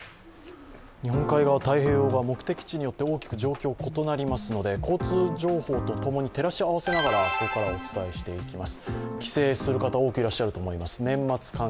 日本海側、太平洋側目的地によって大きく状況が異なりますので交通状況と照らし合わせながらここからはお伝えします。